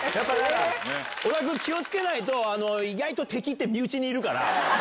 小田君、気をつけないと、意外と敵って身内にいるから。